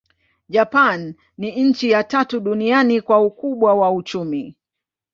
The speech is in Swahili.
Japani ni nchi ya tatu duniani kwa ukubwa wa uchumi.